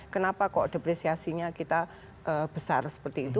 kenapa kok depresiasinya kita besar seperti itu